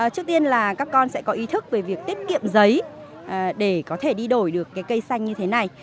trước tiên là các con sẽ có ý thức về việc tiết kiệm giấy để có thể đi đổi được cái cây xanh như thế này